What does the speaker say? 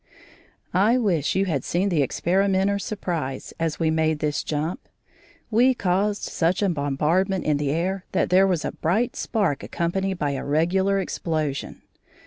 I wish you had seen the experimenter's surprise as we made this jump. We caused such a bombardment in the air that there was a bright spark accompanied by a regular explosion.